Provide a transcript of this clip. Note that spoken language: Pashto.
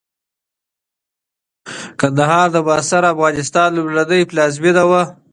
کندهار د معاصر افغانستان لومړنۍ پلازمېنه وه.